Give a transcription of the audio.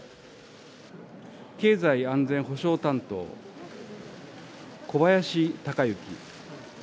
経済安全保障担当、小林鷹之。